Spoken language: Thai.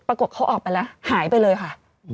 เขาออกไปแล้วหายไปเลยค่ะ